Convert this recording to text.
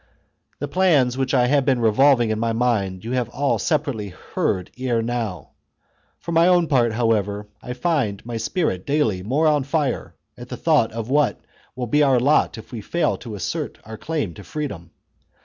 \" The plans which I have been revolving in my mind you have all separately heard ere now. For my own part, however, I find my spirit daily more on fire at the thought of what will be our lot if we fail to assert our claim to freedom.